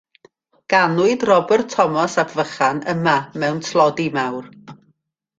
Ganwyd Robert Thomas, Ap Vychan, yma mewn tlodi mawr.